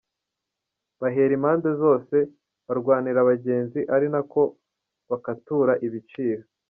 Bahera impande zose barwanira abagenzi ari na ko bakatura ibiciro.